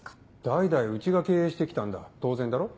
代々うちが経営して来たんだ当然だろ。